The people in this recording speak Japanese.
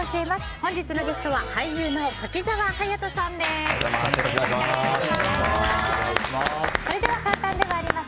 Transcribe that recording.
本日のゲストは俳優の柿澤勇人さんです。